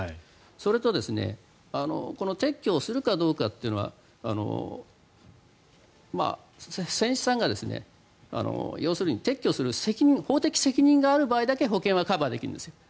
それと、この撤去をするかどうかというのは船主さんが要するに撤去する法的責任がある場合だけ保険はカバーできるんです。